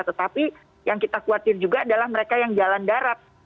tetapi yang kita khawatir juga adalah mereka yang jalan darat